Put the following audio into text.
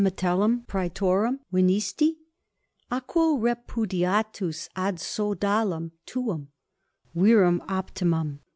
Metellum praetorem venisti: a quo repudiatus ad sodalem tuum, virum optimum, M.